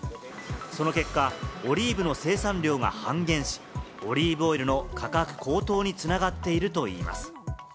その結果、オリーブの生産量が半減し、オリーブオイルの価格高騰に繋がっているといいます。